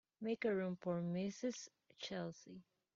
Make room for Mrs. Chelsea.